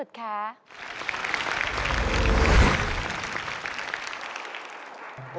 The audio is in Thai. ใช่ครับ